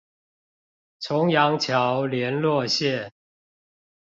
重陽橋聯絡線